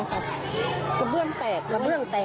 กระเบื้องแตกจะลิขอะ